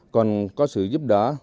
còn có sự giúp đỡ